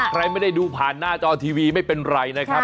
ใครไม่ได้ดูผ่านหน้าจอทีวีไม่เป็นไรนะครับ